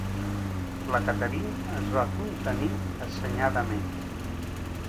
La Catherine es va contenir assenyadament.